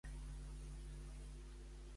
Jo visc al carrer d'Enric Granados